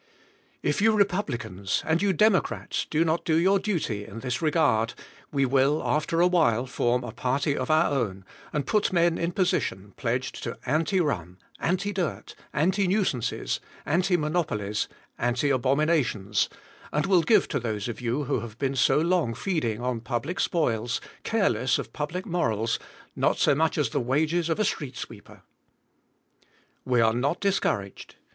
If you republicans, and you democrats, do not do your duty in this regard, we will, after a while, form a party of our own, and put men in position pledged to anti rum, anti dirt, anti nuisances, anti monopolies, anti abominations, and will give to those of you who have been so long feeding on public spoils, careless of public morals, not so much as the wages of a street sweeper. We are not discouraged.